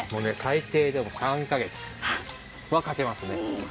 最低でも３カ月はかけますね。